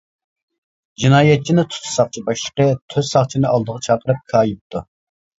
جىنايەتچىنى تۇتۇش ساقچى باشلىقى تۆت ساقچىنى ئالدىغا چاقىرىپ كايىپتۇ.